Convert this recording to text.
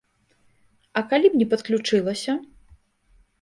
А калі б не падключылася?